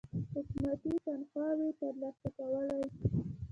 حکومتي تنخواوې تر لاسه کولې.